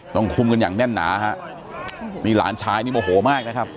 ต้องคุมกันอย่างแน่นหนาฮะนี่หลานชายนี่โมโหมากนะครับ